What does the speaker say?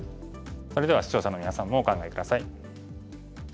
それでは視聴者のみなさんもお考え下さい。